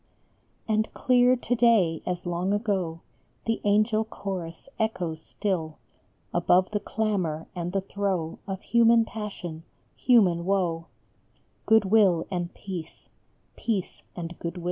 And clear to day as long ago The angel chorus echoes still, Above the clamor and the throe Of human passion, human woe, Good will and Peace : Peace and Good will.